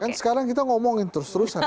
kan sekarang kita ngomongin terus terusan